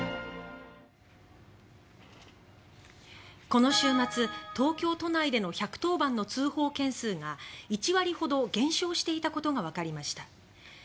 この週末、東京都内での１１０番の通報件数が１割程減少していたことがわかりました。